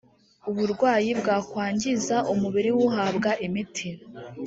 uburwayi bwakwangiza umubiri w’uhabwa imiti